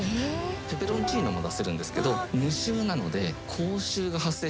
ペペロンチーノも出せるんですけど無臭なので口臭が発生しない。